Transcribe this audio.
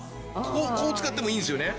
こう使ってもいいんですよね？